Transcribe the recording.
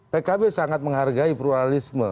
pkb sangat menghargai pluralisme